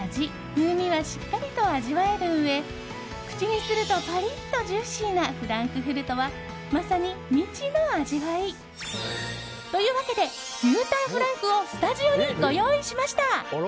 風味はしっかりと味わえるうえ口にするとパリッとジューシーなフランクフルトはまさに未知の味わい。というわけで、牛たんフランクをスタジオにご用意しました。